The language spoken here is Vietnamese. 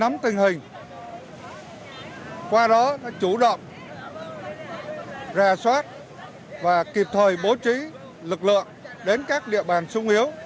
nắm tình hình qua đó đã chủ động ra soát và kịp thời bố trí lực lượng đến các địa bàn sung yếu